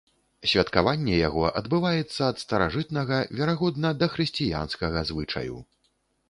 Святкаванне яго адбываецца ад старажытнага, верагодна, дахрысціянскага звычаю.